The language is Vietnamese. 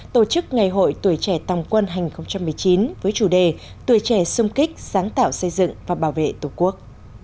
tổ chức ngày hội tuổi trẻ tòng quân hai nghìn một mươi chín với chủ đề tuổi trẻ sung kích sáng tạo xây dựng và bảo vệ tổ quốc